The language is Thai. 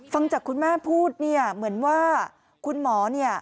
ฟังจากคุณแม่พูดเนี่ยเหมือนว่าคุณหมอเนี่ย